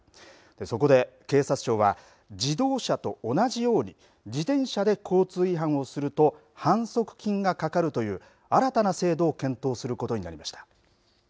そこで警察庁は自動車と同じように自転車で交通違反をすると反則金がかかるという新たな制度を検討することになりました。